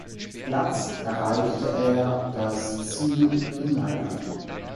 Platz erreichte er das Ziel in Mailand.